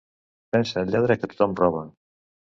Pensa el lladre que tothom roba